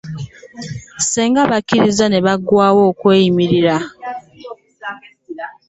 Singa bakkiriza ne baggyawo okweyimirirwa